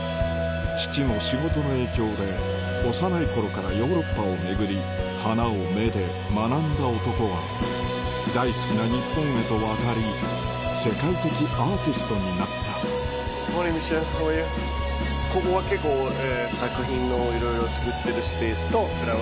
父の仕事の影響で幼い頃からヨーロッパを巡り花を愛で学んだ男は大好きな日本へと渡り世界的アーティストになったかなっていう感じですね。